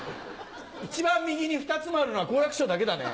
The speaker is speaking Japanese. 一番右に２つもあるのは好楽師匠だけだね。